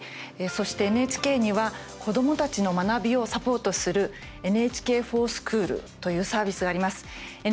そしてＮＨＫには子どもたちの学びをサポートする「ＮＨＫｆｏｒＳｃｈｏｏｌ」というサービスがあります。